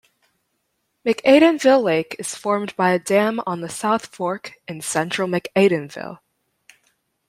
McAdenville Lake is formed by a dam on the South Fork in central McAdenville.